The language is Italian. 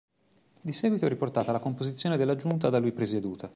Di seguito è riportata la composizione della giunta da lui presieduta.